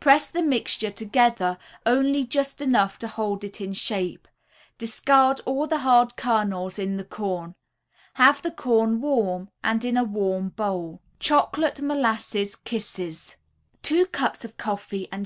Press the mixture together only just enough to hold it in shape. Discard all the hard kernels in the corn. Have the corn warm and in a warm bowl. CHOCOLATE MOLASSES KISSES [Illustration: CHOCOLATE MOLASSES KISSES.